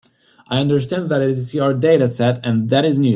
I understand that it is your dataset, and that it is new.